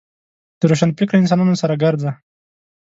د روشنفکره انسانانو سره ګرځه .